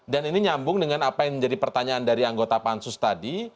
ini nyambung dengan apa yang menjadi pertanyaan dari anggota pansus tadi